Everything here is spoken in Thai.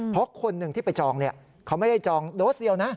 เพราะคนหนึ่งที่ไปจองเขาไม่ได้จองโดสเดียวนะ